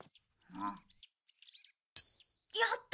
やった！